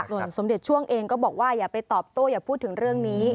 ส่วนสมเด็จช่วงเองก็บอกว่าอย่าไปตอบโต้อย่าพูดถึงเรื่องนี้